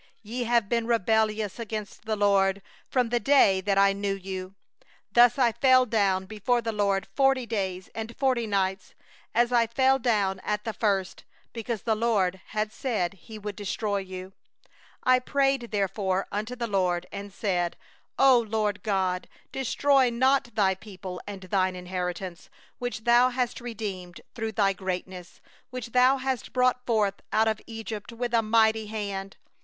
24Ye have been rebellious against the LORD from the day that I knew you.— 25So I fell down before the LORD the forty days and forty nights that I fell down; because the LORD had said He would destroy you. 26And I prayed unto the LORD, and said: 'O Lord GOD, destroy not Thy people and Thine inheritance, that Thou hast redeemed through Thy greatness, that Thou hast brought forth out of Egypt with a mighty hand.